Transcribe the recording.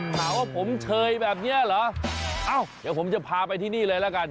ถามว่าผมเชยแบบเนี้ยเหรอเอ้าเดี๋ยวผมจะพาไปที่นี่เลยละกัน